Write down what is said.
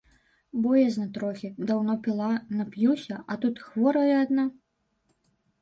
Боязна трохі, даўно піла, нап'юся, а тут хворая адна.